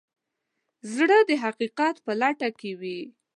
زړه د حقیقت په لټه کې وي.